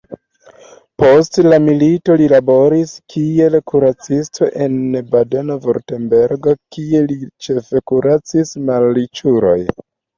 Post la milito li laboris kiel kuracisto en Badeno-Vurtembergo, kie li ĉefe kuracis malriĉulojn.